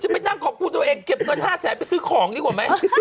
ไปนั่งขอบคุณตัวเองเก็บเงิน๕แสนไปซื้อของดีกว่าไหม